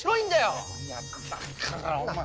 いやだからお前。